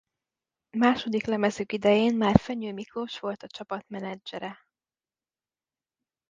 Második lemezük idején már Fenyő Miklós volt a csapat menedzsere.